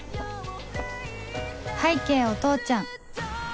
拝啓お父ちゃん